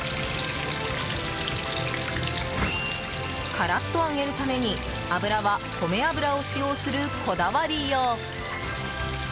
カラッと揚げるために油は米油を使用するこだわりよう。